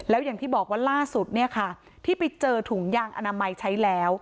แล้วอย่างที่บอกว่าล่าสุดเนี่ยค่ะที่ไปเจอถุงยางอนามัยใช้แล้ว